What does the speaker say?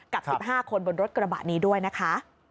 กับ๑๕คนบนรถกระบะนี้ด้วยนะคะ